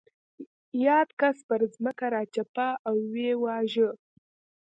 یاد کس پر ځمکه راچپه او ویې واژه.